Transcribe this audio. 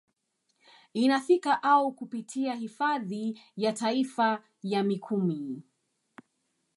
Inafika au kupitia hifadhi ya taifa ya Mikumi